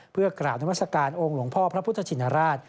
เพื่อกราบนำวัสการองค์หลวงภพพระพุทธชินราช